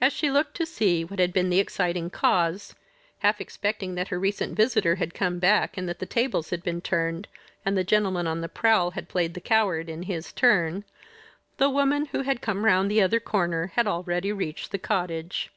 As she looked to see what had been the exciting cause, half expecting that her recent visitor had come back and that the tables had been turned, and the gentleman on the prowl had played the coward in his turn, the woman who had come round the other corner had already reached the cottage.